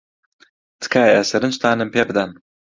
تکایە سەرنجتانم پێ بدەن.